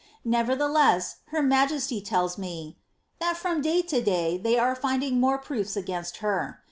* Neverihi'les9, her majesty tells me, " that from day to day they are find io£ more proofs against her.